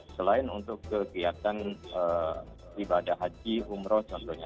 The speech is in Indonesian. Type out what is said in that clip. selain untuk kegiatan ibadah haji umroh contohnya